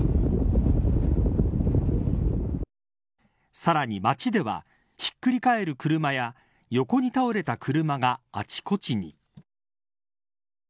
さらに町ではひっくり返る車や横に倒れた車があちこちに。